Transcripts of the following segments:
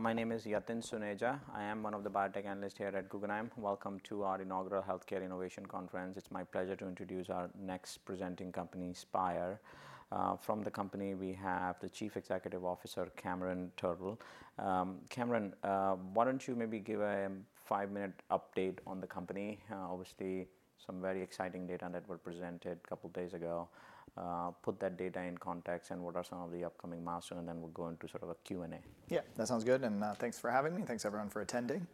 My name is Yatin Suneja. I am one of the biotech analysts here at Guggenheim. Welcome to our inaugural Healthcare Innovation Conference. It's my pleasure to introduce our next presenting company, Spyre. From the company, we have the Chief Executive Officer, Cameron Turtle. Cameron, why don't you maybe give a five-minute update on the company? Obviously, some very exciting data that were presented a couple of days ago. Put that data in context, and what are some of the upcoming milestones, and then we'll go into sort of a Q&A. Yeah, that sounds good, and thanks for having me. Thanks, everyone, for attending.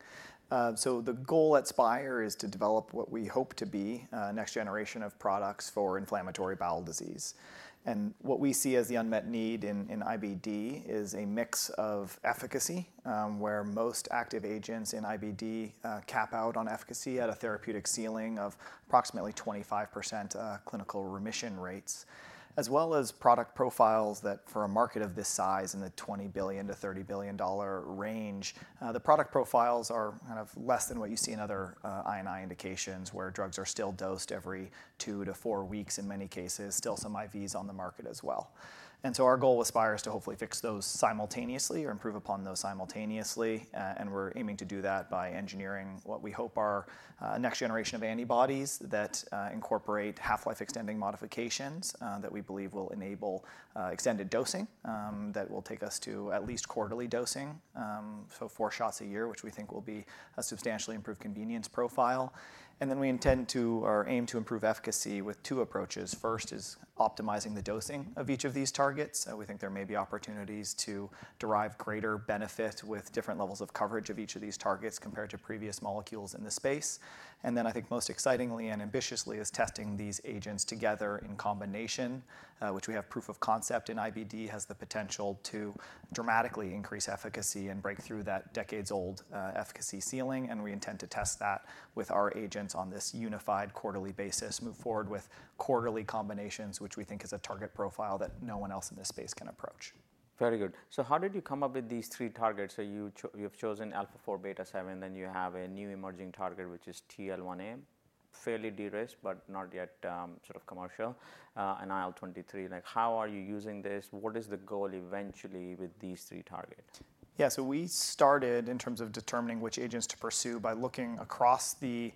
So the goal at Spyre is to develop what we hope to be: a next generation of products for inflammatory bowel disease. And what we see as the unmet need in IBD is a mix of efficacy, where most active agents in IBD cap out on efficacy at a therapeutic ceiling of approximately 25% clinical remission rates, as well as product profiles that, for a market of this size in the $20 billion-$30 billion range, the product profiles are kind of less than what you see in other I&I indications, where drugs are still dosed every two to four weeks in many cases. Still some IVs on the market as well. And so our goal with Spyre is to hopefully fix those simultaneously or improve upon those simultaneously, and we're aiming to do that by engineering what we hope are a next generation of antibodies that incorporate half-life extending modifications that we believe will enable extended dosing that will take us to at least quarterly dosing, so four shots a year, which we think will be a substantially improved convenience profile. And then we intend to or aim to improve efficacy with two approaches. First is optimizing the dosing of each of these targets. We think there may be opportunities to derive greater benefit with different levels of coverage of each of these targets compared to previous molecules in the space. And then, I think most excitingly and ambitiously is testing these agents together in combination, which we have proof of concept in IBD has the potential to dramatically increase efficacy and break through that decades-old efficacy ceiling, and we intend to test that with our agents on this unified quarterly basis, move forward with quarterly combinations, which we think is a target profile that no one else in this space can approach. Very good. So how did you come up with these three targets? So you have chosen alpha-4 beta-7, then you have a new emerging target, which is TL1A, fairly de-risked but not yet sort of commercial, and IL-23. How are you using this? What is the goal eventually with these three targets? Yeah, so we started in terms of determining which agents to pursue by looking across the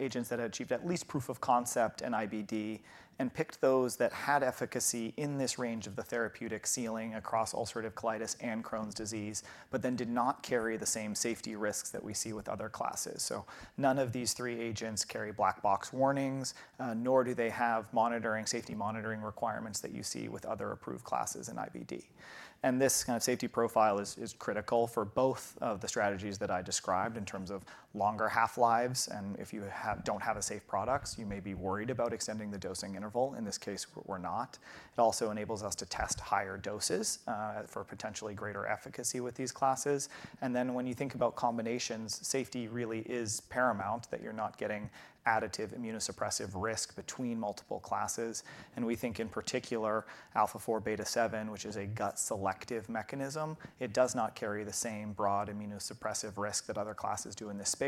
agents that had achieved at least proof of concept in IBD and picked those that had efficacy in this range of the therapeutic ceiling across ulcerative colitis and Crohn's disease, but then did not carry the same safety risks that we see with other classes. So none of these three agents carry black box warnings, nor do they have safety monitoring requirements that you see with other approved classes in IBD. And this kind of safety profile is critical for both of the strategies that I described in terms of longer half-lives, and if you don't have a safe product, you may be worried about extending the dosing interval. In this case, we're not. It also enables us to test higher doses for potentially greater efficacy with these classes. And then when you think about combinations, safety really is paramount that you're not getting additive immunosuppressive risk between multiple classes. And we think in particular, alpha-4 beta-7, which is a gut-selective mechanism, it does not carry the same broad immunosuppressive risk that other classes do in this space,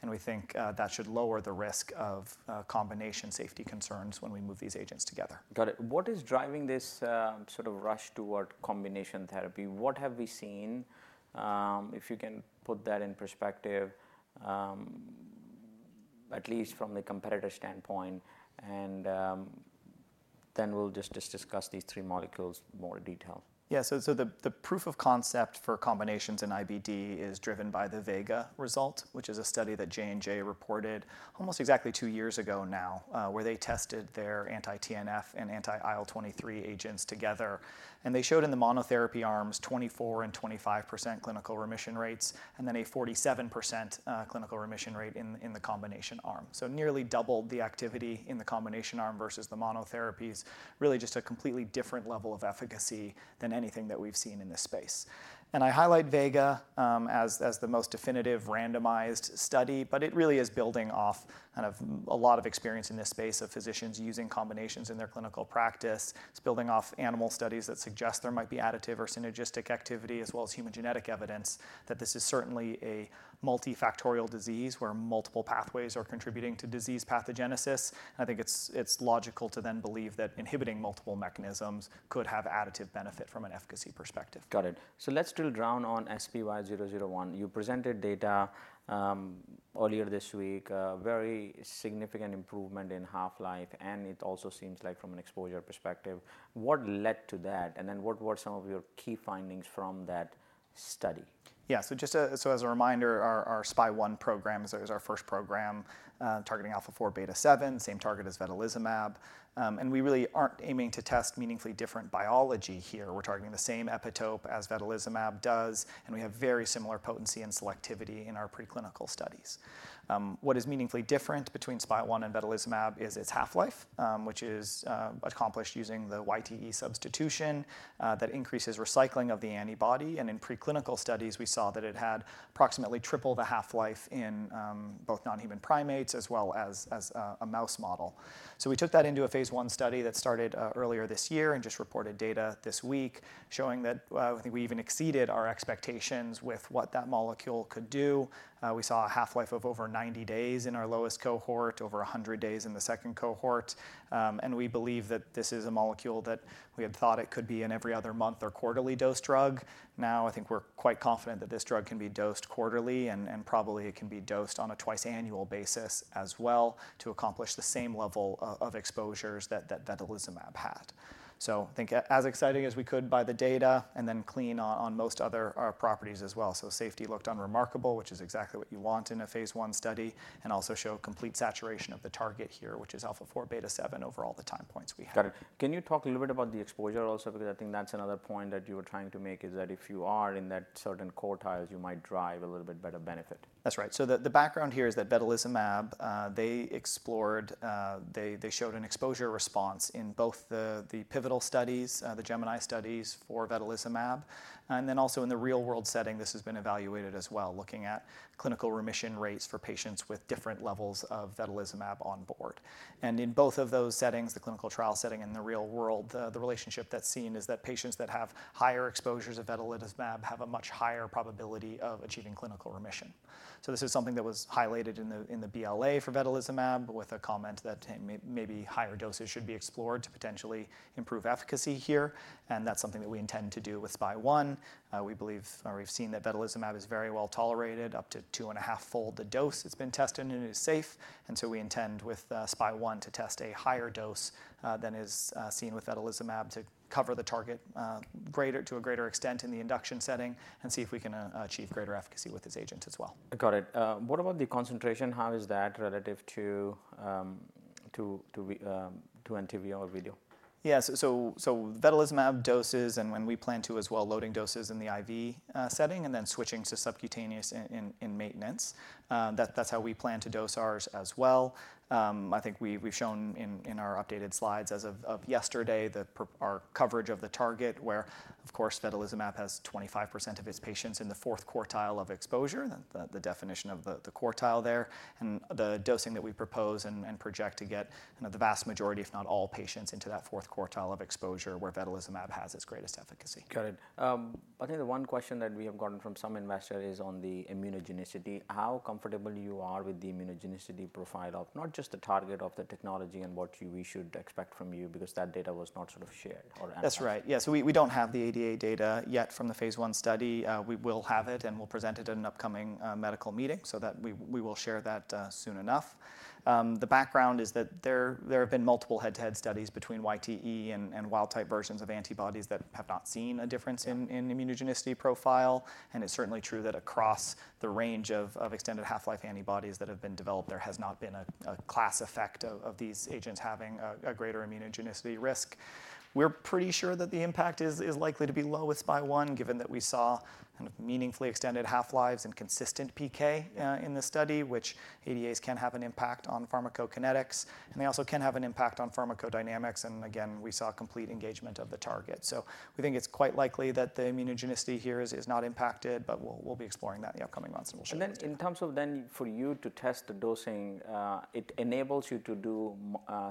and we think that should lower the risk of combination safety concerns when we move these agents together. Got it. What is driving this sort of rush toward combination therapy? What have we seen, if you can put that in perspective, at least from the competitor standpoint? And then we'll just discuss these three molecules in more detail. Yeah, so the proof of concept for combinations in IBD is driven by the Vega result, which is a study that J&J reported almost exactly two years ago now, where they tested their anti-TNF and anti-IL-23 agents together, and they showed in the monotherapy arms 24% and 25% clinical remission rates, and then a 47% clinical remission rate in the combination arm, so nearly doubled the activity in the combination arm versus the monotherapies, really just a completely different level of efficacy than anything that we've seen in this space, and I highlight Vega as the most definitive randomized study, but it really is building off kind of a lot of experience in this space of physicians using combinations in their clinical practice. It's building off animal studies that suggest there might be additive or synergistic activity, as well as human genetic evidence that this is certainly a multifactorial disease where multiple pathways are contributing to disease pathogenesis. I think it's logical to then believe that inhibiting multiple mechanisms could have additive benefit from an efficacy perspective. Got it. So let's drill down on SPY001. You presented data earlier this week, very significant improvement in half-life, and it also seems like from an exposure perspective. What led to that, and then what were some of your key findings from that study? Yeah, so just as a reminder, our Spy1 program is our first program targeting Alpha-4 Beta-7, same target as Vedolizumab. And we really aren't aiming to test meaningfully different biology here. We're targeting the same epitope as Vedolizumab does, and we have very similar potency and selectivity in our preclinical studies. What is meaningfully different between Spy1 and Vedolizumab is its half-life, which is accomplished using the YTE substitution that increases recycling of the antibody. And in preclinical studies, we saw that it had approximately triple the half-life in both non-human primates as well as a mouse model. So we took that into a phase one study that started earlier this year and just reported data this week showing that we even exceeded our expectations with what that molecule could do. We saw a half-life of over 90 days in our lowest cohort, over 100 days in the second cohort. And we believe that this is a molecule that we had thought it could be an every other month or quarterly dose drug. Now I think we're quite confident that this drug can be dosed quarterly, and probably it can be dosed on a twice-annual basis as well to accomplish the same level of exposures that Vedolizumab had. So I think as excited as we could be by the data, and it's clean on most other properties as well. So safety looked unremarkable, which is exactly what you want in a Phase I study, and also show complete saturation of the target here, which is alpha-4 beta-7 over all the time points we had. Got it. Can you talk a little bit about the exposure also, because I think that's another point that you were trying to make is that if you are in that certain quartiles, you might drive a little bit better benefit? That's right. So the background here is that Vedolizumab, they explored, they showed an exposure response in both the pivotal studies, the Gemini studies for Vedolizumab, and then also in the real-world setting, this has been evaluated as well, looking at clinical remission rates for patients with different levels of Vedolizumab on board, and in both of those settings, the clinical trial setting and the real world, the relationship that's seen is that patients that have higher exposures of Vedolizumab have a much higher probability of achieving clinical remission, so this is something that was highlighted in the BLA for Vedolizumab with a comment that maybe higher doses should be explored to potentially improve efficacy here, and that's something that we intend to do with Spy1. We believe we've seen that Vedolizumab is very well tolerated, up to two and a half fold the dose it's been tested, and it is safe. And so we intend with Spy1 to test a higher dose than is seen with Vedolizumab to cover the target to a greater extent in the induction setting and see if we can achieve greater efficacy with this agent as well. Got it. What about the concentration? How is that relative to Entyvio dose? Yeah, so Vedolizumab doses, and when we plan to as well, loading doses in the IV setting and then switching to subcutaneous in maintenance. That's how we plan to dose ours as well. I think we've shown in our updated slides as of yesterday our coverage of the target where, of course, Vedolizumab has 25% of its patients in the fourth quartile of exposure, the definition of the quartile there, and the dosing that we propose and project to get the vast majority, if not all, patients into that fourth quartile of exposure where Vedolizumab has its greatest efficacy. Got it. I think the one question that we have gotten from some investors is on the immunogenicity. How comfortable you are with the immunogenicity profile of not just the target of the technology and what we should expect from you, because that data was not sort of shared or analyzed? That's right. Yeah, so we don't have the ADA data yet from the Phase I study. We will have it, and we'll present it at an upcoming medical meeting, so that we will share that soon enough. The background is that there have been multiple head-to-head studies between YTE and wild-type versions of antibodies that have not seen a difference in immunogenicity profile, and it's certainly true that across the range of extended half-life antibodies that have been developed, there has not been a class effect of these agents having a greater immunogenicity risk. We're pretty sure that the impact is likely to be low with Spy1, given that we saw kind of meaningfully extended half-lives and consistent PK in the study, which ADAs can have an impact on pharmacokinetics, and they also can have an impact on pharmacodynamics, and again, we saw complete engagement of the target. So we think it's quite likely that the immunogenicity here is not impacted, but we'll be exploring that in the upcoming months, and we'll show you more. Then in terms of then for you to test the dosing, it enables you to do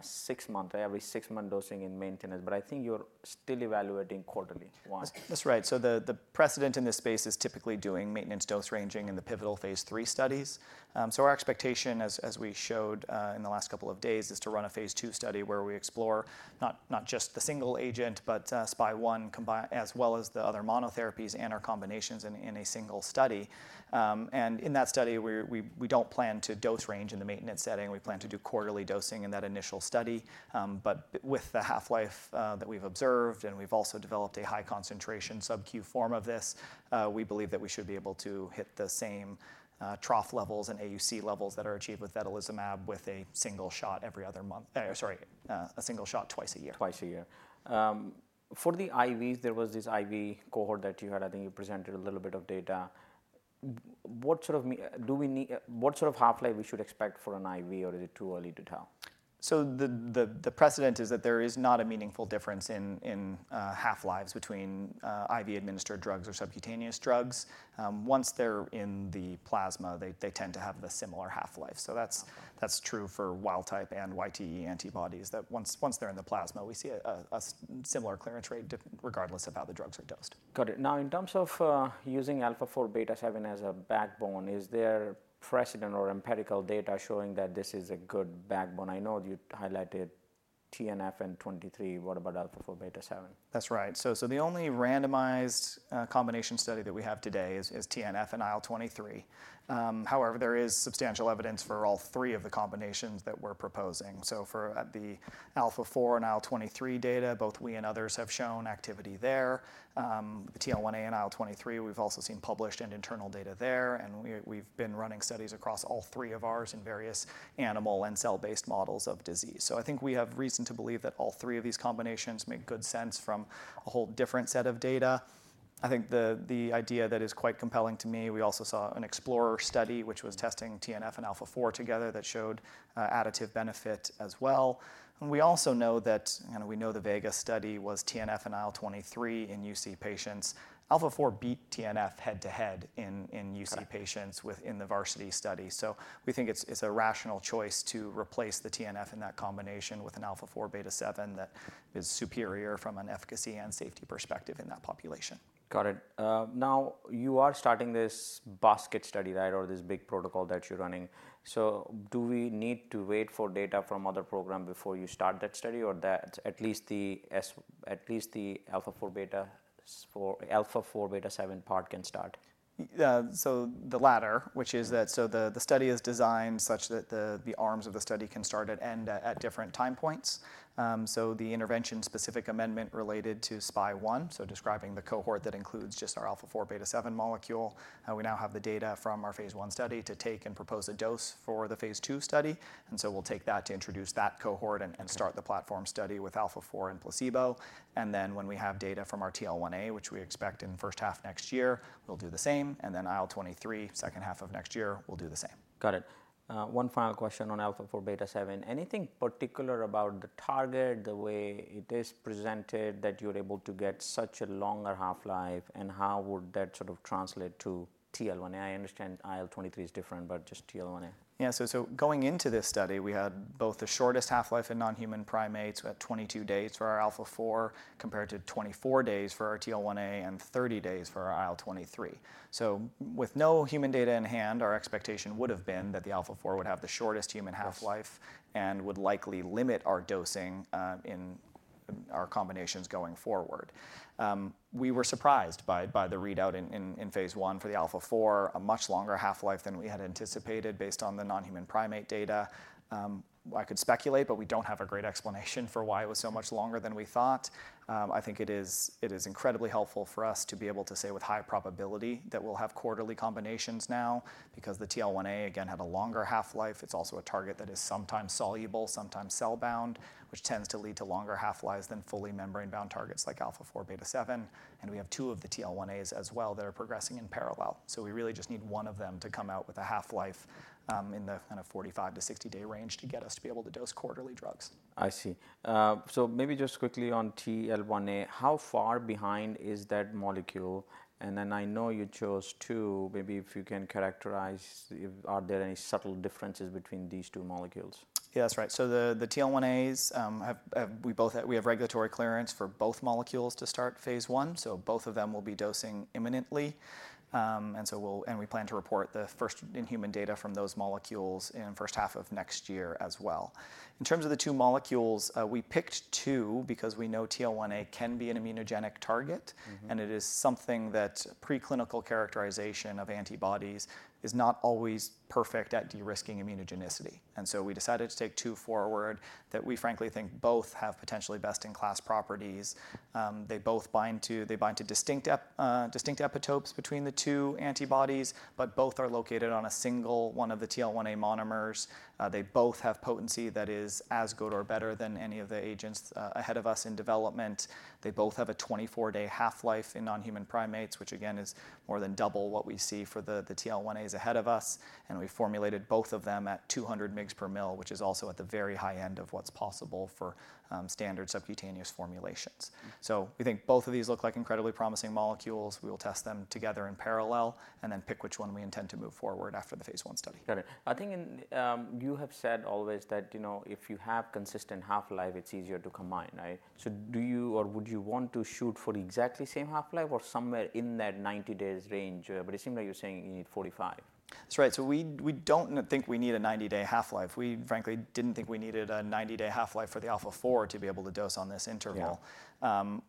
six-month, every six-month dosing in maintenance, but I think you're still evaluating quarterly once. That's right. So the precedent in this space is typically doing maintenance dose ranging in the pivotal Phase III studies. So our expectation, as we showed in the last couple of days, is to run a Phase II study where we explore not just the single agent, but Spy1 as well as the other monotherapies and our combinations in a single study. And in that study, we don't plan to dose range in the maintenance setting. We plan to do quarterly dosing in that initial study. But with the half-life that we've observed, and we've also developed a high concentration sub-Q form of this, we believe that we should be able to hit the same trough levels and AUC levels that are achieved with Vedolizumab with a single shot every other month, sorry, a single shot twice a year. Twice a year. For the IVs, there was this IV cohort that you had, I think you presented a little bit of data. What sort of half-life we should expect for an IV, or is it too early to tell? So the precedent is that there is not a meaningful difference in half-lives between IV-administered drugs or subcutaneous drugs. Once they're in the plasma, they tend to have the similar half-life. So that's true for wild-type and YTE antibodies that once they're in the plasma, we see a similar clearance rate regardless of how the drugs are dosed. Got it. Now in terms of using Alpha-4 Beta-7 as a backbone, is there precedent or empirical data showing that this is a good backbone? I know you highlighted TNF and 23. What about Alpha-4 Beta-7? That's right. So the only randomized combination study that we have today is TNF and IL-23. However, there is substantial evidence for all three of the combinations that we're proposing. So for the alpha-4 beta-7 and IL-23 data, both we and others have shown activity there. The TL1A and IL-23, we've also seen published and internal data there, and we've been running studies across all three of ours in various animal and cell-based models of disease. So I think we have reason to believe that all three of these combinations make good sense from a whole different set of data. I think the idea that is quite compelling to me. We also saw an explorer study which was testing TNF and alpha-4 beta-7 together that showed additive benefit as well. We also know that, and we know the Vega study was TNF and IL-23 in UC patients. Alpha-4 beta-7 beat TNF head-to-head in UC patients within the Varsity study. We think it's a rational choice to replace the TNF in that combination with an alpha-4 beta-7 that is superior from an efficacy and safety perspective in that population. Got it. Now you are starting this basket study, right, or this big protocol that you're running. So do we need to wait for data from other programs before you start that study, or at least the Alpha-4 Beta-7 part can start? The latter, which is that the study is designed such that the arms of the study can start and end at different time points. The intervention-specific amendment related to Spy1, so describing the cohort that includes just our alpha-4 beta-7 molecule, we now have the data from our Phase I study to take and propose a dose for the Phase II study. We'll take that to introduce that cohort and start the platform study with alpha-4 beta-7 and placebo. Then when we have data from our TL1A, which we expect in the first half next year, we'll do the same. Then IL-23, second half of next year, we'll do the same. Got it. One final question on Alpha-4 Beta-7. Anything particular about the target, the way it is presented that you're able to get such a longer half-life, and how would that sort of translate to TL1A? I understand IL-23 is different, but just TL1A. Yeah, so going into this study, we had both the shortest half-life in non-human primates at 22 days for our alpha-4 beta-7, compared to 24 days for our TL1A and 30 days for our IL-23. So with no human data in hand, our expectation would have been that the alpha-4 beta-7 would have the shortest human half-life and would likely limit our dosing in our combinations going forward. We were surprised by the readout in Phase I for the alpha-4 beta-7, a much longer half-life than we had anticipated based on the non-human primate data. I could speculate, but we don't have a great explanation for why it was so much longer than we thought. I think it is incredibly helpful for us to be able to say with high probability that we'll have quarterly combinations now, because the TL1A again had a longer half-life. It's also a target that is sometimes soluble, sometimes cell-bound, which tends to lead to longer half-lives than fully membrane-bound targets like Alpha-4 Beta-7. And we have two of the TL1As as well that are progressing in parallel. So we really just need one of them to come out with a half-life in the kind of 45- to 60-day range to get us to be able to dose quarterly drugs. I see. So maybe just quickly on TL1A, how far behind is that molecule? And then I know you chose two. Maybe if you can characterize, are there any subtle differences between these two molecules? Yeah, that's right. So the TL1As, we have regulatory clearance for both molecules to start Phase I, so both of them will be dosing imminently. And so we plan to report the first in-human data from those molecules in the first half of next year as well. In terms of the two molecules, we picked two because we know TL1A can be an immunogenic target, and it is something that preclinical characterization of antibodies is not always perfect at de-risking immunogenicity. And so we decided to take two forward that we frankly think both have potentially best-in-class properties. They both bind to distinct epitopes between the two antibodies, but both are located on a single one of the TL1A monomers. They both have potency that is as good or better than any of the agents ahead of us in development. They both have a 24-day half-life in non-human primates, which again is more than double what we see for the TL1As ahead of us. And we formulated both of them at 200 mg/ml, which is also at the very high end of what's possible for standard subcutaneous formulations. So we think both of these look like incredibly promising molecules. We will test them together in parallel and then pick which one we intend to move forward after the Phase I study. Got it. I think you have said always that if you have consistent half-life, it's easier to combine, right? So do you or would you want to shoot for the exactly same half-life or somewhere in that 90-day range? But it seems like you're saying you need 45. That's right. So we don't think we need a 90-day half-life. We frankly didn't think we needed a 90-day half-life for the alpha-4 to be able to dose on this interval.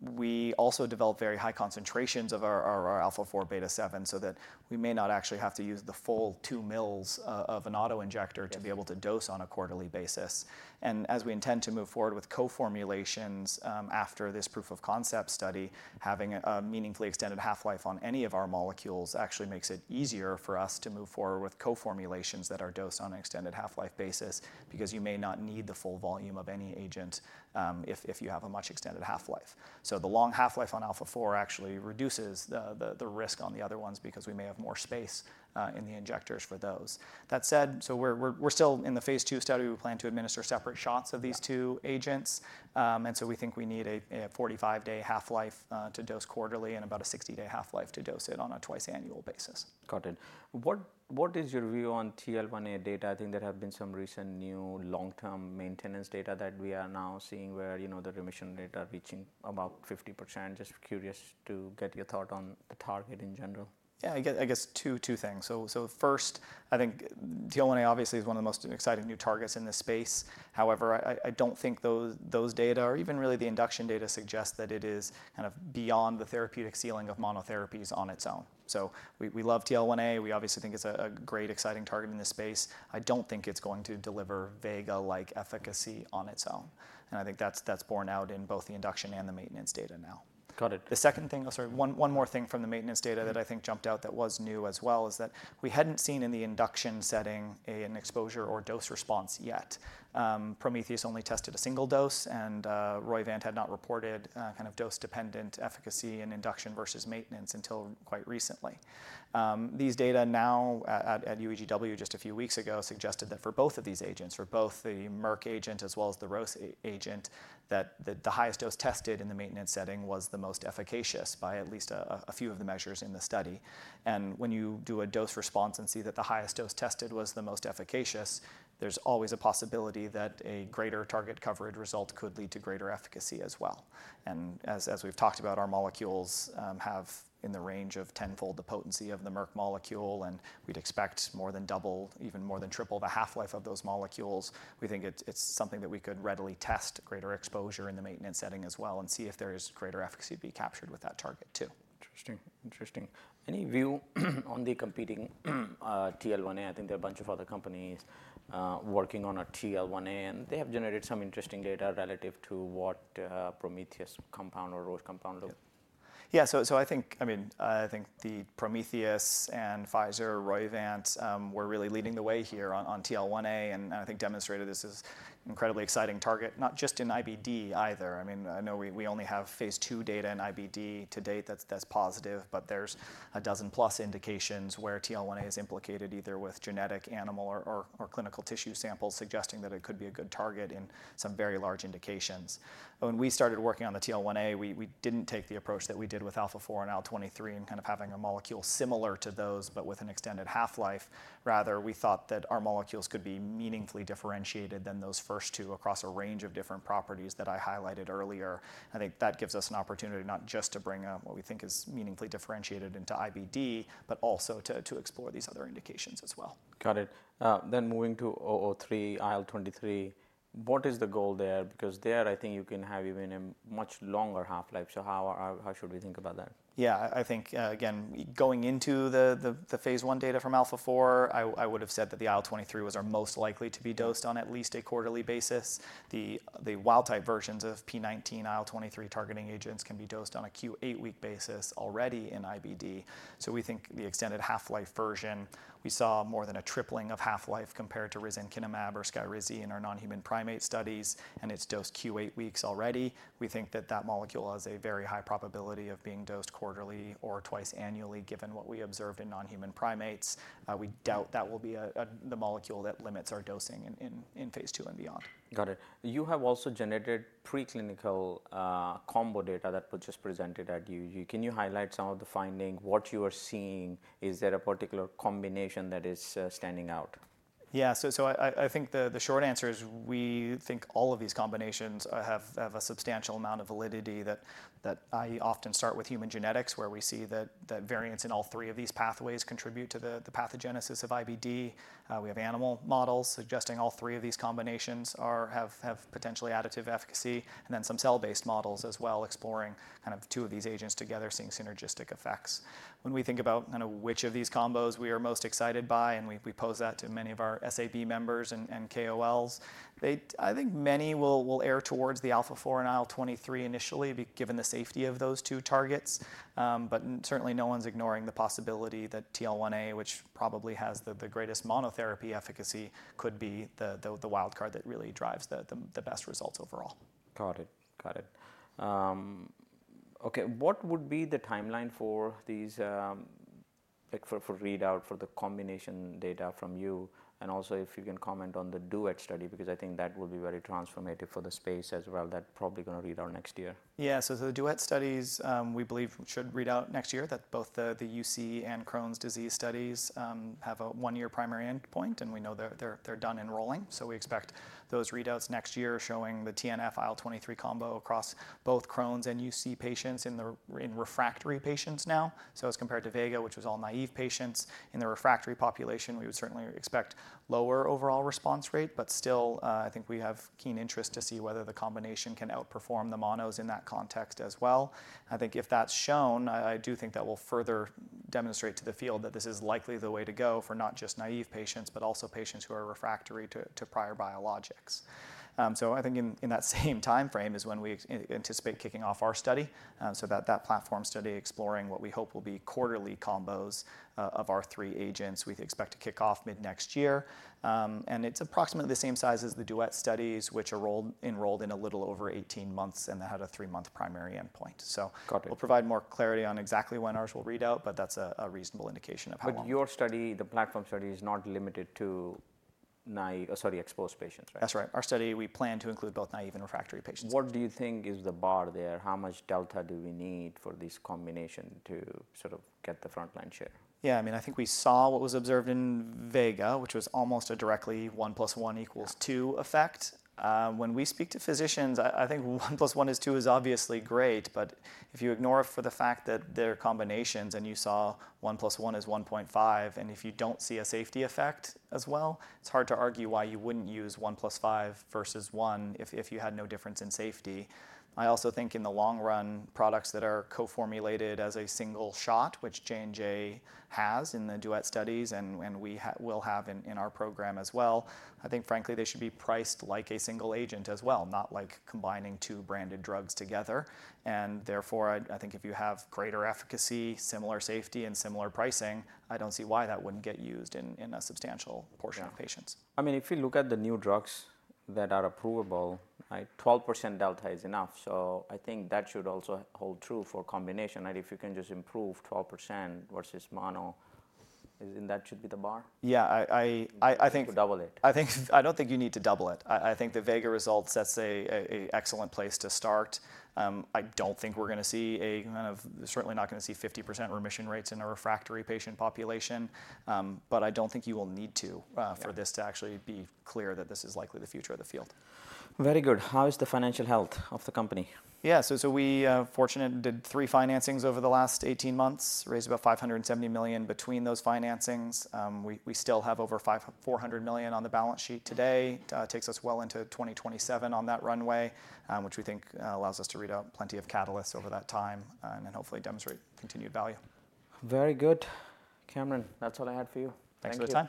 We also developed very high concentrations of our alpha-4 beta-7 so that we may not actually have to use the full two mL of an autoinjector to be able to dose on a quarterly basis. And as we intend to move forward with co-formulations after this proof of concept study, having a meaningfully extended half-life on any of our molecules actually makes it easier for us to move forward with co-formulations that are dosed on an extended half-life basis because you may not need the full volume of any agent if you have a much extended half-life. The long half-life on Alpha-4 Beta-7 actually reduces the risk on the other ones because we may have more space in the injectors for those. That said, so we're still in the Phase II study. We plan to administer separate shots of these two agents. We think we need a 45-day half-life to dose quarterly and about a 60-day half-life to dose it on a twice-annual basis. Got it. What is your view on TL1A data? I think there have been some recent new long-term maintenance data that we are now seeing where the remission rate are reaching about 50%. Just curious to get your thought on the target in general. Yeah, I guess two things. So first, I think TL1A obviously is one of the most exciting new targets in this space. However, I don't think those data, or even really the induction data, suggest that it is kind of beyond the therapeutic ceiling of monotherapies on its own. So we love TL1A. We obviously think it's a great, exciting target in this space. I don't think it's going to deliver Vega-like efficacy on its own. And I think that's borne out in both the induction and the maintenance data now. Got it. The second thing, sorry, one more thing from the maintenance data that I think jumped out that was new as well is that we hadn't seen in the induction setting an exposure or dose response yet. Prometheus only tested a single dose, and Roivant had not reported kind of dose-dependent efficacy in induction versus maintenance until quite recently. These data now at UEGW just a few weeks ago suggested that for both of these agents, for both the Merck agent as well as the Roche agent, that the highest dose tested in the maintenance setting was the most efficacious by at least a few of the measures in the study. And when you do a dose response and see that the highest dose tested was the most efficacious, there's always a possibility that a greater target coverage result could lead to greater efficacy as well. And as we've talked about, our molecules have in the range of tenfold the potency of the Merck molecule, and we'd expect more than double, even more than triple the half-life of those molecules. We think it's something that we could readily test, greater exposure in the maintenance setting as well, and see if there is greater efficacy to be captured with that target too. Interesting. Interesting. Any view on the competing TL1A? I think there are a bunch of other companies working on a TL1A, and they have generated some interesting data relative to what Prometheus compound or Roche compound looks. Yeah, so I think, I mean, I think Prometheus, Pfizer, Roivant were really leading the way here on TL1A, and I think demonstrated this is an incredibly exciting target, not just in IBD either. I mean, I know we only have Phase II data in IBD to date that's positive, but there's a dozen plus indications where TL1A is implicated either with genetic, animal, or clinical tissue samples suggesting that it could be a good target in some very large indications. When we started working on the TL1A, we didn't take the approach that we did with Alpha-4 beta-7 and IL-23 in kind of having a molecule similar to those, but with an extended half-life. Rather, we thought that our molecules could be meaningfully differentiated than those first two across a range of different properties that I highlighted earlier. I think that gives us an opportunity not just to bring what we think is meaningfully differentiated into IBD, but also to explore these other indications as well. Got it. Then moving to SPY003, IL-23, what is the goal there? Because there, I think you can have even a much longer half-life. So how should we think about that? Yeah, I think, again, going into the Phase I data from alpha-4 beta-7, I would have said that the IL-23 was most likely to be dosed on at least a quarterly basis. The wild-type versions of p19 IL-23 targeting agents can be dosed on a Q8-week basis already in IBD. So we think the extended half-life version, we saw more than a tripling of half-life compared to risankizumab or Skyrizi in our non-human primate studies, and it's dosed Q8 weeks already. We think that that molecule has a very high probability of being dosed quarterly or twice annually given what we observed in non-human primates. We doubt that will be the molecule that limits our dosing in Phase II and beyond. Got it. You have also generated preclinical combo data that was just presented at UEG. Can you highlight some of the findings? What you are seeing, is there a particular combination that is standing out? Yeah, so I think the short answer is we think all of these combinations have a substantial amount of validity. I often start with human genetics where we see that variance in all three of these pathways contribute to the pathogenesis of IBD. We have animal models suggesting all three of these combinations have potentially additive efficacy, and then some cell-based models as well exploring kind of two of these agents together, seeing synergistic effects. When we think about kind of which of these combos we are most excited by, and we pose that to many of our SAB members and KOLs, I think many will err towards the alpha-4 beta-7 and IL-23 initially given the safety of those two targets. But certainly no one's ignoring the possibility that TL1A, which probably has the greatest monotherapy efficacy, could be the wild card that really drives the best results overall. Got it. Okay, what would be the timeline for these, like for readout, for the combination data from you, and also if you can comment on the Duet study, because I think that will be very transformative for the space as well that probably going to readout next year? Yeah, so the Duet studies we believe should readout next year, that both the UC and Crohn's disease studies have a one-year primary endpoint, and we know they're done enrolling. So we expect those readouts next year showing the TNF IL-23 combo across both Crohn's and UC patients in refractory patients now. So as compared to Vega, which was all naive patients in the refractory population, we would certainly expect lower overall response rate, but still I think we have keen interest to see whether the combination can outperform the monos in that context as well. I think if that's shown, I do think that will further demonstrate to the field that this is likely the way to go for not just naive patients, but also patients who are refractory to prior biologics. So I think in that same timeframe is when we anticipate kicking off our study. That platform study exploring what we hope will be quarterly combos of our three agents, we expect to kick off mid-next year. It is approximately the same size as the Duet studies, which are enrolled in a little over 18 months and that had a three-month primary endpoint. We will provide more clarity on exactly when ours will readout, but that is a reasonable indication of how. But your study, the platform study is not limited to naive, sorry, exposed patients, right? That's right. Our study, we plan to include both naive and refractory patients. What do you think is the bar there? How much delta do we need for this combination to sort of get the frontline share? Yeah, I mean, I think we saw what was observed in Vega, which was almost a directly one plus one equals two effect. When we speak to physicians, I think one plus one is two is obviously great, but if you ignore it for the fact that they're combinations and you saw one plus one is 1.5, and if you don't see a safety effect as well, it's hard to argue why you wouldn't use one plus five versus one if you had no difference in safety. I also think in the long run, products that are co-formulated as a single shot, which J&J has in the Duet studies and we will have in our program as well, I think frankly they should be priced like a single agent as well, not like combining two branded drugs together Therefore, I think if you have greater efficacy, similar safety, and similar pricing, I don't see why that wouldn't get used in a substantial portion of patients. I mean, if you look at the new drugs that are approvable, 12% delta is enough. So I think that should also hold true for combination. If you can just improve 12% versus mono, that should be the bar? Yeah, I think. You need to double it. I don't think you need to double it. I think the Vega results set an excellent place to start. I don't think we're going to see a kind of, certainly not going to see 50% remission rates in a refractory patient population, but I don't think you will need to for this to actually be clear that this is likely the future of the field. Very good. How is the financial health of the company? Yeah, so we fortunately did three financings over the last 18 months, raised about $570 million between those financings. We still have over $400 million on the balance sheet today. It takes us well into 2027 on that runway, which we think allows us to readout plenty of catalysts over that time and then hopefully demonstrate continued value. Very good. Cameron, that's all I had for you. Thanks for your time.